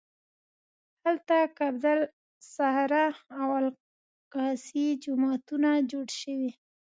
هلته قبة الصخره او الاقصی جوماتونه جوړ شوي.